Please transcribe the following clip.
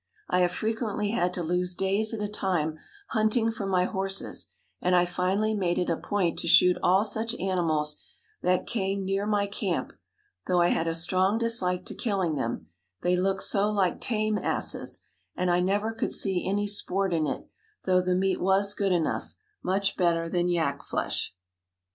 I have frequently had to lose days at a time hunting for my horses, and I finally made it a point to shoot all such animals that came near my camp; though I had a strong dislike to killing them they looked so like tame asses and I never could see any sport in it, though the meat was good enough much better than yak flesh.